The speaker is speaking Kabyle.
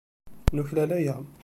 Nuklal aya.